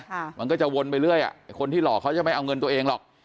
มันก็จะวนไปเรื่อยอ่ะไอ้คนที่หลอกเขาจะไม่เอาเงินตัวเองหรอก